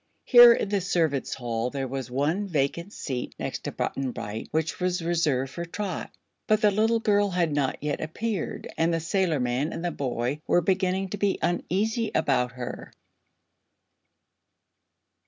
Here in the servants' hall there was one vacant seat next to Button Bright which was reserved for Trot; but the little girl had not yet appeared and the sailorman and the boy were beginning to be uneasy about her.